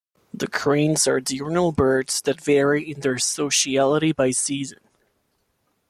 The cranes are diurnal birds that vary in their sociality by season.